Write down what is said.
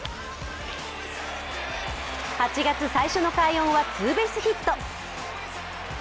８月最初の快音はツーベースヒット。